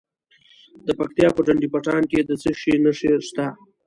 د پکتیا په ډنډ پټان کې د څه شي نښې دي؟